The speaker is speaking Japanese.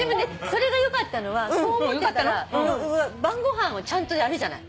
それがよかったのはそう思ってたら晩ご飯をちゃんとやるじゃない。